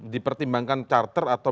dipertimbangkan charter atau